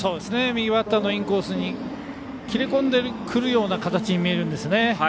右バッターのインコースに切り込んでくるような形に見えるんですね。